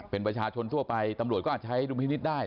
เป็นประชาชนทั่วไปตำรวจก็อาจใช้ดุลพินิษฐ์ได้